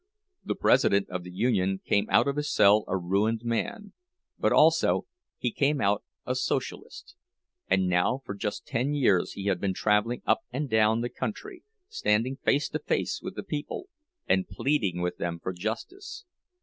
The president of the union came out of his cell a ruined man; but also he came out a Socialist; and now for just ten years he had been traveling up and down the country, standing face to face with the people, and pleading with them for justice.